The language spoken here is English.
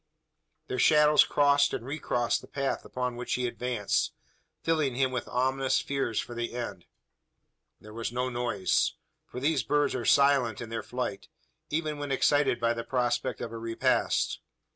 Their shadows crossed and recrossed the track upon which he advanced filling him with ominous fears for the end. There was no noise: for these birds are silent in their flight even when excited by the prospect of a repast.